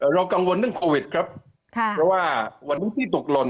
เรากังวลเรื่องโควิดครับค่ะเพราะว่าวันพุธที่ตกหล่น